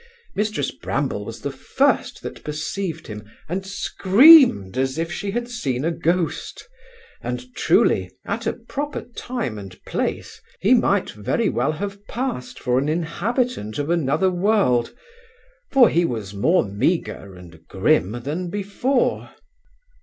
Mrs Bramble was the first that perceived him, and screamed as if she had seen a ghost; and, truly, at a proper time and place, he might very well have passed for an inhabitant of another world; for he was more meagre and grim than before.